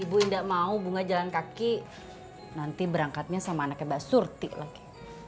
ibu indah mau bunga jalan kaki nanti berangkatnya sama anaknya mbak surti lagi